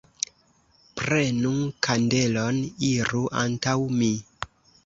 Prenu kandelon, iru antaŭ mi!